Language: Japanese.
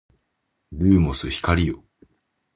ルーモス光よ